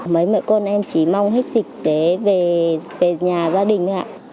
mấy mẹ con em chỉ mong hết dịch để về nhà gia đình ạ